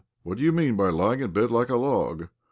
" What do you mean by lying in bed like a log?